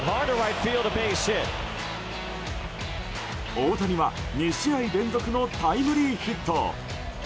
大谷は２試合連続のタイムリーヒット。